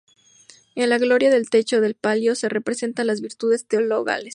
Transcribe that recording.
En la gloria del techo del palio se representan las Virtudes Teologales.